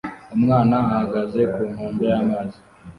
Umwana ahagaze ku nkombe y'amazi